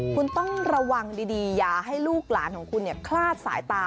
คุณต้องระวังดีอย่าให้ลูกหลานของคุณคลาดสายตา